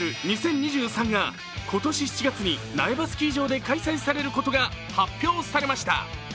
’２３が今年７月に苗場スキー場で開催されることが発表されました。